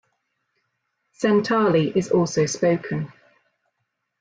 Santali is also spoken.